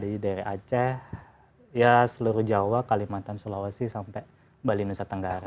dari aceh ya seluruh jawa kalimantan sulawesi sampai bali nusa tenggara